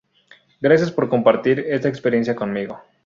Gracias por compartir esta experiencia conmigo!".